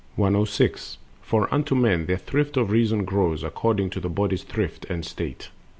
106. For unto men their thrift of reason grows, According to the body's thrift and state.